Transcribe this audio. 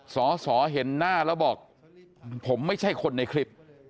สอสอเห็นหน้าแล้วบอกผมไม่ใช่คนในคลิป